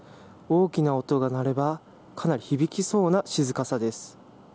大きな音が鳴ればかなり響きそうな静かさです。